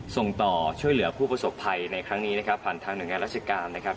ส่งต่อช่วยเหลือผู้ประสบภัยในครั้งนี้นะครับผ่านทางหน่วยงานราชการนะครับ